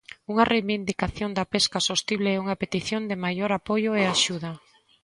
Unha reivindicación da pesca sostible e unha petición de maior apoio e axuda.